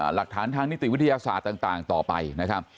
หลักฐานทางนิติวิทยาศาสตร์ต่างต่อไปนะครับ